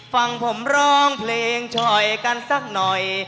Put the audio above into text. ฟังผมร้องเพลงช่อยกันสักหน่อย